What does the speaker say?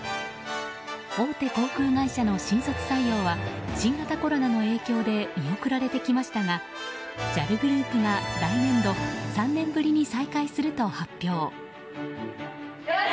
大手航空会社の新卒採用は新型コロナの影響で見送られてきましたがＪＡＬグループが来年度３年ぶりに再開すると発表。